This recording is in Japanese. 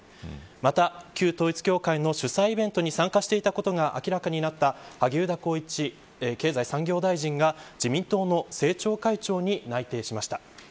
また、旧統一教会主催イベントに参加していたことが明らかになった萩生田光一経済産業大臣が自民党の政調会長に内定しました。